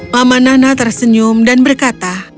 mama nana tersenyum dan berkata